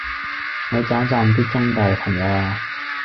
我要讚一讚啲中大嘅朋友呀